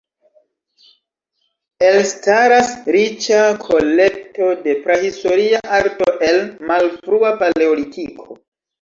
Elstaras riĉa kolekto de prahistoria arto el Malfrua Paleolitiko.